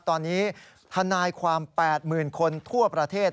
ตอนนี้ทนายความ๘๐๐๐คนทั่วประเทศ